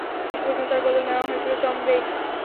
শেষ পর্যন্ত তার বদলে নেওয়া হয়েছিল টম বেইলি।